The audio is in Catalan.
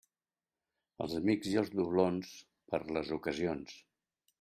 Els amics i els doblons, per a les ocasions.